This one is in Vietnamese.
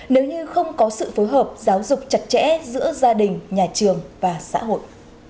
nếu như không có sự phối hợp giáo dục chặt chẽ giữa gia đình nhà trường và xã hội